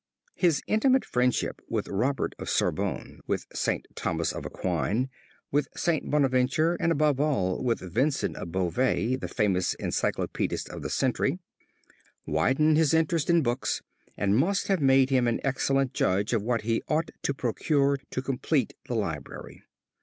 His intimate friendship with Robert of Sorbonne, with St. Thomas of Aquin, with Saint Bonaventure, and above all with Vincent of Beauvais, the famous encyclopedist of the century, widened his interest in books and must have made him an excellent judge of what he ought to procure to complete the library.